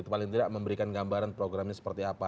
paling tidak memberikan gambaran program ini seperti apa